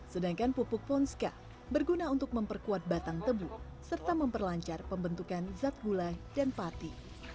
sedangkan pupuk ponska berguna untuk memperkuat batang tebu serta memperlancar pembentukan zat gula dan pati